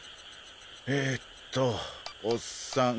えっとおっさん